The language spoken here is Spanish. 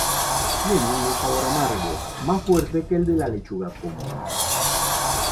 Tienen un sabor amargo, más fuerte que el de la lechuga común.